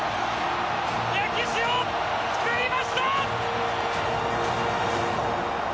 歴史を作りました！